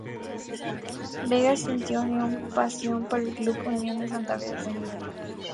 Vega sintió pasión por el club Unión de Santa Fe desde niño.